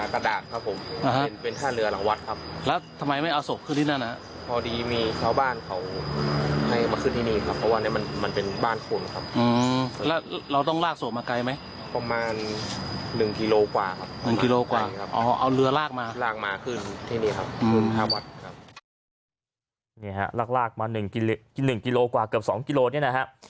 ครับมุมธวัตรครับเนี่ยฮะลากลากมาหนึ่งกิโลกว่าเกือบสองกิโลเนี่ยนะฮะ